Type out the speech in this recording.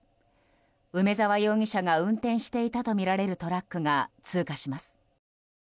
梅沢容疑者が運転していたとみられるトラックが通過します。